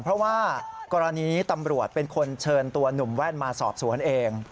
เพราะว่ากรณีตำรวจเป็นคนเชิญตัวหนุ่มแว่นมาสอบสวนเอง